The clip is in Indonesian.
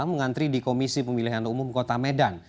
mengantri di komisi pemilihan umum kota medan